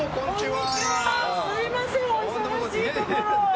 すみません、お忙しいところ。